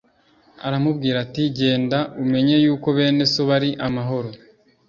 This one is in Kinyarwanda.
Aramubwira ati Genda umenye yuko bene so bari amahoro